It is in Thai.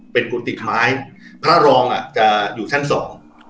เป็นกุฏิไม้พระรองอ่ะจะอยู่ชั้นสอง